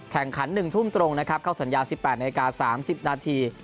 แข่งขัน๑ทุ่มตรงนะครับเข้าสัญญา๑๘นาที๓๐นาที